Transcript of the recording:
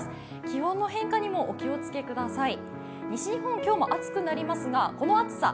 気温の変化にもお気をつけください。